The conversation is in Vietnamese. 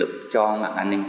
được cho mạng an ninh